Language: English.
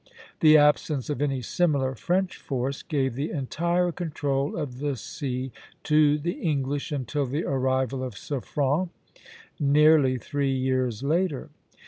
The absence of any similar French force gave the entire control of the sea to the English until the arrival of Suffren, nearly three years later.